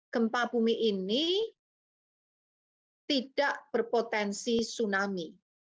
gempa bumi ini tidak berpotensi tsunami